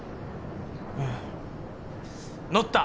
うん乗った！